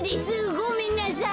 ごめんなさい。